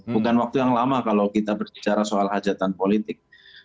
bukan waktu yang lama kalau kita berbicara soal hajatan politik